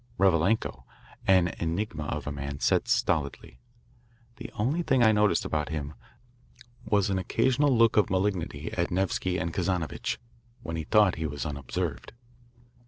Revalenko, an enigma of a man, sat stolidly. The only thing I noticed about him was an occasional look of malignity at Nevsky and Kazanovitch when he thought he was unobserved.